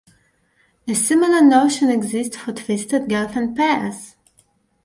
A similar notion exists for twisted Gelfand pairs.